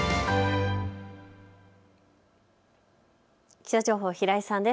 気象情報、平井さんです。